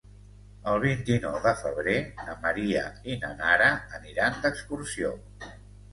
El vint-i-nou de febrer na Maria i na Nara aniran d'excursió.